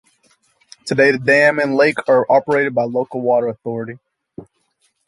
Today the dam and lake are operated by a local water authority.